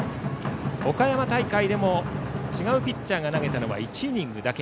岡山大会でも違うピッチャーが投げたのは１イニングだけ。